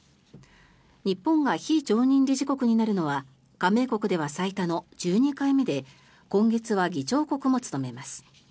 日本が非常任理事国になるのは加盟国では最多の１２回目で今月は議長国も務めます。